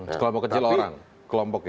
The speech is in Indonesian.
sekelompok kecil orang kelompok ya